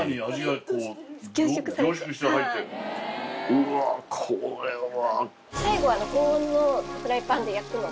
うわこれは。